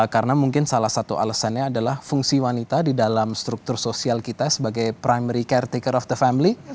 karena mungkin salah satu alasannya adalah fungsi wanita di dalam struktur sosial kita sebagai primary caretaker of the family